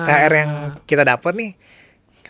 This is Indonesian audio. tier yang kita dapet nih